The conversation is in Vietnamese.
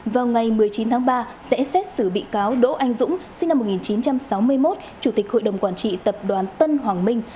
vào ngày một mươi chín tháng ba sẽ xét xử bị cáo đỗ anh dũng sinh năm một nghìn chín trăm sáu mươi một chủ tịch hội đồng quản trị tập đoàn tân hoàng minh